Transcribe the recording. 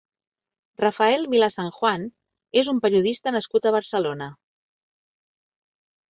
Rafael Vilasanjuan és un periodista nascut a Barcelona.